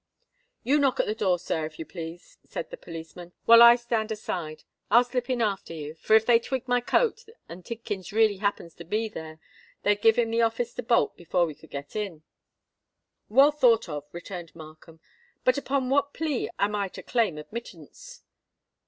"You knock at the door, sir, if you please," said the policeman, "while I stand aside. I'll slip in after you; for if they twig my coat, and Tidkins really happens to be there, they'd give him the office to bolt before we could get in." "Well thought of," returned Markham. "But upon what plea am I to claim admittance?"